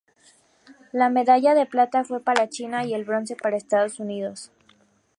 La medalla de plata fue para China y el bronce para Estados Unidos.